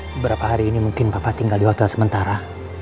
beberapa hari ini mungkin bapak tinggal di hotel sementara